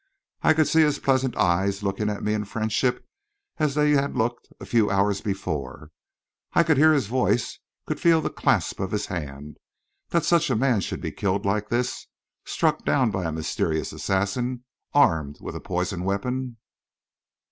I could see his pleasant eyes looking at me in friendship, as they had looked a few hours before; I could hear his voice, could feel the clasp of his hand. That such a man should be killed like this, struck down by a mysterious assassin, armed with a poisoned weapon....